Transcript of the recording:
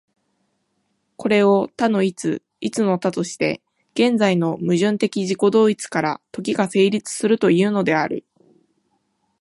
これを多の一、一の多として、現在の矛盾的自己同一から時が成立するというのである。